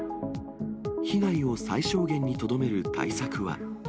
被害を最小限にとどめる対策は。